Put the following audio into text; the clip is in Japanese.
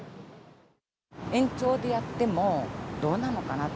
延長でやっても、どうなのかなって。